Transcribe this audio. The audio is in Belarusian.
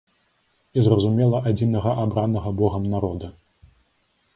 І, зразумела, адзінага абранага богам народа.